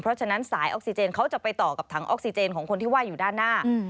เพราะฉะนั้นสายออกซิเจนเขาจะไปต่อกับถังออกซิเจนของคนที่ว่าอยู่ด้านหน้า